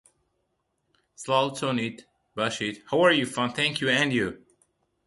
A passing loop remains.